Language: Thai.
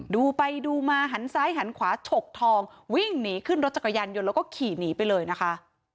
ดูไปดูมาหันซ้ายหันขวาฉกทองวิ่งหนีขึ้นรถจักรยานยนต์แล้วก็ขี่หนีไปเลยนะคะ